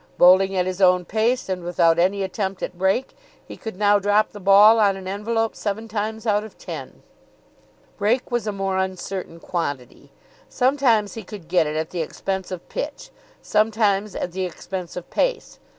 Bowling at his own pace and without any attempt at break, he could now drop the ball on an envelope seven times out of ten. Break was a more uncertain quantity. Sometimes he could get it at the expense of pitch, sometimes at the expense of pace.